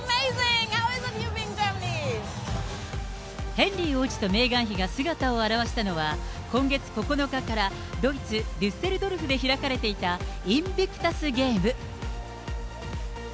ヘンリー王子とメーガン妃が姿を現したのは、今月９日からドイツ・デュッセルドルフで開かれていたインビクタス・ゲーム。